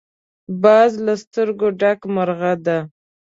باز له سترګو ډک مرغه دی